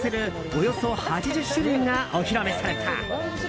およそ８０種類がお披露目された。